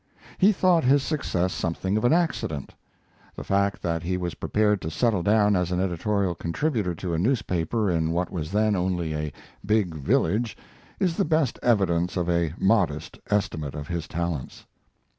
He thought his success something of an accident. The fact that he was prepared to settle down as an editorial contributor to a newspaper in what was then only a big village is the best evidence of a modest estimate of his talents.